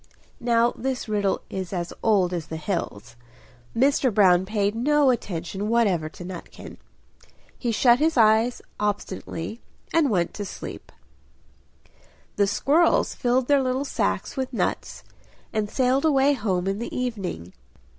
Now this riddle is as old as the hills; Mr. Brown paid no attention whatever to Nutkin. He shut his eyes obstinately and went to sleep. The squirrels filled their little sacks with nuts, and sailed away home in the evening.